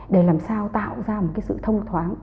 để làm sao tạo ra một cái sự thông thoáng